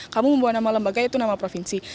kamu membawa nama lembaga itu nama provinsi